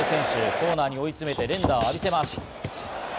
コーナーに追い詰めて、連打を浴びせます。